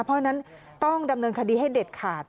เพราะฉะนั้นต้องดำเนินคดีให้เด็ดขาด